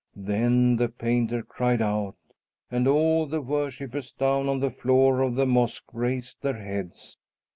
Then the painter cried out, and all the worshippers down on the floor of the mosque raised their heads.